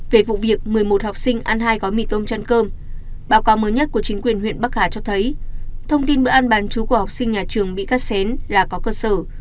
về vụ việc một mươi một học sinh ăn hai gói mì tôm chăn cơm báo cáo mới nhất của chính quyền huyện bắc hà cho thấy thông tin bữa ăn bán chú của học sinh nhà trường bị cắt xén là có cơ sở